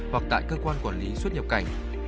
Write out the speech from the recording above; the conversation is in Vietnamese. hoặc tại cơ quan quản lý xuất nhập cảnh